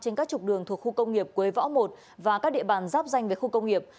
trên các trục đường thuộc khu công nghiệp quế võ một và các địa bàn giáp danh với khu công nghiệp